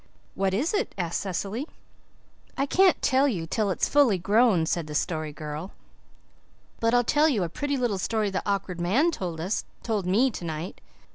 "What is it?" asked Cecily. "I can't tell you till it's fully grown," said the Story Girl. "But I'll tell you a pretty little story the Awkward Man told us told me tonight.